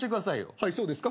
はいそうですか。